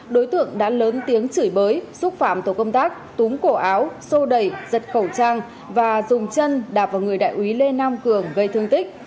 đối tượng đã lớn tiếng chửi bới xúc phạm tổ công tác túm cổ áo xô đẩy giật khẩu trang và dùng chân đạp vào người đại úy lê nam cường gây thương tích